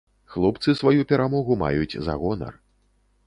Хлопцы сваю перамогу маюць за гонар.